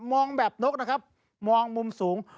มองแบบนกนะครับมองมุมสูง